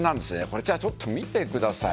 海じゃちょっと見てください。